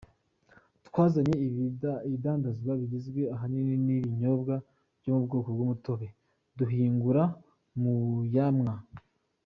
'Twazanye ibidandazwa bigizwe ahanini n’ibinyobwa vyo mubwoko bw’umutobe duhingura muvyamwa.